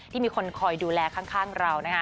ที่มีคนคอยดูแลข้างเรานะครับ